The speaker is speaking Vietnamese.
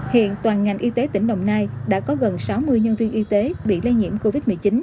hiện toàn ngành y tế tỉnh đồng nai đã có gần sáu mươi nhân viên y tế bị lây nhiễm covid một mươi chín